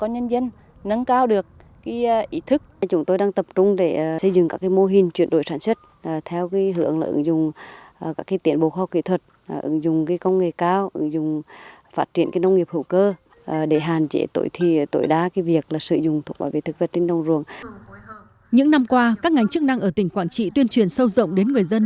những năm qua các ngành chức năng ở tỉnh quảng trị tuyên truyền sâu rộng đến người dân